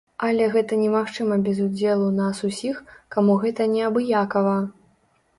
Але гэта немагчыма без удзелу нас усіх, каму гэта неабыякава.